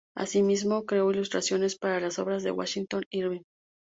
Asimismo, creó ilustraciones para las obras de Washington Irving.